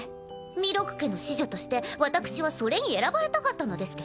弥勒家の子女として私はそれに選ばれたかったのですけど。